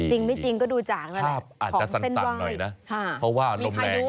จริงไม่จริงก็ดูจานเลยของเส้นว่างค่ะเพราะว่ารมแรง